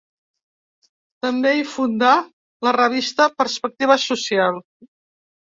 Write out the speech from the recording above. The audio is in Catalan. També hi fundà la revista Perspectiva Social.